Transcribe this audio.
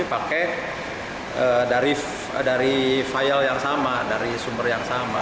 saya sudah menggunakan dari file yang sama dari sumber yang sama